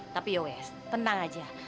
tapi ya wes tenang saja